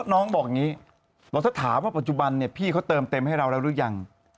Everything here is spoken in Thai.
น้องบอกอย่างนี้บอกถ้าถามว่าปัจจุบันเนี่ยพี่เขาเติมเต็มให้เราแล้วหรือยัง